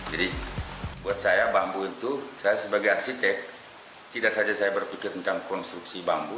jadi buat saya bambu itu saya sebagai arsitek tidak saja saya berpikir tentang konstruksi bambu